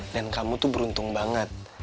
dan kamu tuh beruntung banget